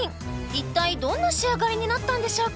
一体どんな仕上がりになったんでしょうか？